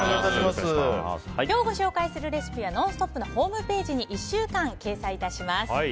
今日ご紹介するレシピは「ノンストップ！」のホームページに１週間掲載いたします。